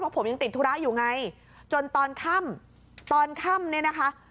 ผมยังติดธุระอยู่ไงจนตอนค่ำตอนค่ำเนี่ยนะคะ